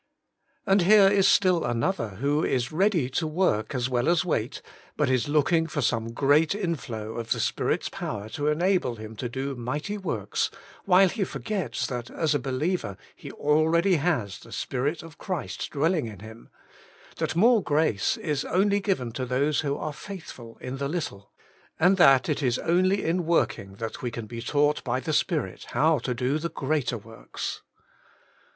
And here is still another who is ready to work as well as wait, but is looking for some great inflow of the Spirit's power to enable him to do mighty works, while he forgets that as a believer he already has the Spirit of Christ dwelling in Him; that more grace is only given to those who are faithful in the little ; and that Working for God 13 it is only in working that we can be taught by the Spirit how to do the greater works.